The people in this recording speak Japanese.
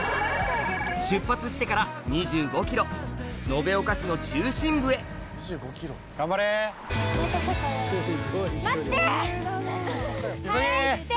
出発してから２５ｋｍ延岡市の中心部へ速いって！